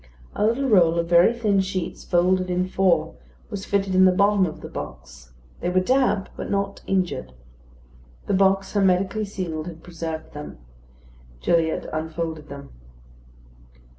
A little roll of very thin sheets, folded in four, was fitted in the bottom of the box. They were damp, but not injured. The box, hermetically sealed, had preserved them. Gilliatt unfolded them.